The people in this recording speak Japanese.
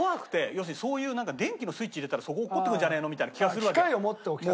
要するにそういう電気のスイッチ入れたらそこ落っこってくるんじゃねえのみたいな気がするわけ。